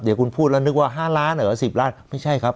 เดี๋ยวคุณพูดแล้วนึกว่า๕ล้านเหรอ๑๐ล้านไม่ใช่ครับ